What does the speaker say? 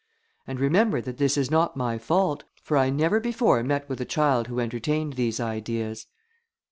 And remember that this is not my fault, for I never before met with a child who entertained these ideas."